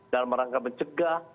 dalam rangka pencegah